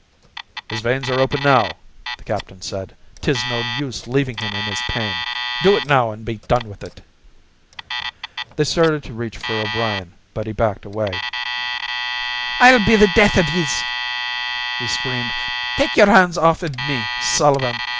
"His veins are open now," the captain said. "'Tis no use leavin' him in his pain. Do it now an' be done with it." They started to reach for O'Brien, but he backed away. "I'll be the death iv yez!" he screamed. "Take yer hands off iv me, Sullivan!